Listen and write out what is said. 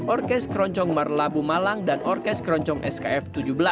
orkes keroncong marlabu malang dan orkes keroncong skf tujuh belas